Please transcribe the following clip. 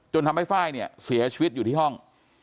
ทำให้ไฟล์เนี่ยเสียชีวิตอยู่ที่ห้อง